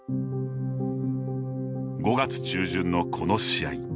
５月中旬のこの試合。